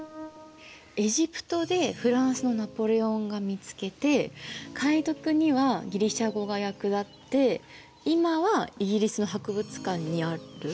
エジプトでフランスのナポレオンが見つけて解読にはギリシア語が役立って今はイギリスの博物館にある。